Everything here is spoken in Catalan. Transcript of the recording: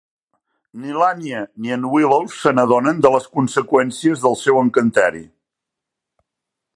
Ni l'Anya ni el Willow se n'adonen de les conseqüències del seu encanteri.